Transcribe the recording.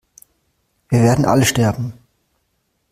Wir werden alle sterben!